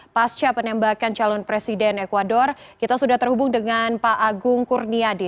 pasca penembakan calon presiden ecuador kita sudah terhubung dengan pak agung kurniadi